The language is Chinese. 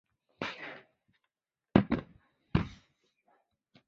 他在青少年时一次指导青年会儿童营地时发现自己对特殊教育感兴趣。